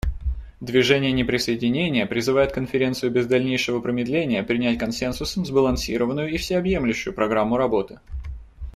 Движение неприсоединения призывает Конференцию без дальнейшего промедления принять консенсусом сбалансированную и всеобъемлющую программу работы.